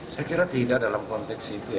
saya kira tidak dalam konteks itu ya